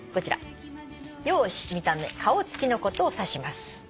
「容姿」「見た目」「顔つき」のことを指します。